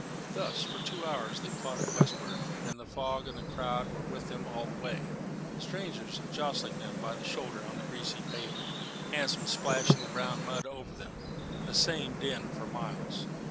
Thus for two hours they plodded westward, and the fog and crowd were with them all the way strangers jostling them by the shoulder on the greasy pavement, hansoms splashing the brown mud over them the same din for miles.